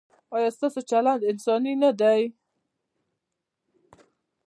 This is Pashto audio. ایا ستاسو چلند انساني نه دی؟